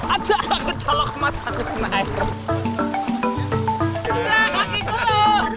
ada aku jelak mata aku kena air